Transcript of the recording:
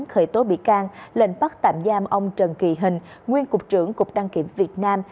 khởi tố bị can lệnh bắt tạm giam ông trần kỳ hình nguyên cục trưởng cục đăng kiểm việt nam